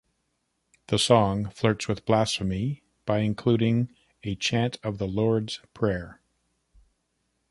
The song "flirts with blasphemy" by including a chant of The Lord's Prayer.